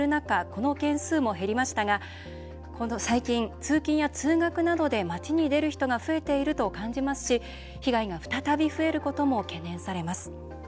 この件数も減りましたが最近、通勤や通学などで街に出る人が増えていると感じますし被害が再び増えることも懸念されます。